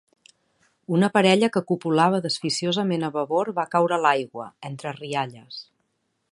Una parella que copulava desficiosament a babord va caure a l'aigua, entre rialles.